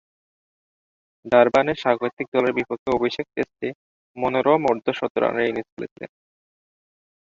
ডারবানে স্বাগতিক দলের বিপক্ষে অভিষেক টেস্টে মনোরম অর্ধ-শতরানের ইনিংস খেলেছিলেন।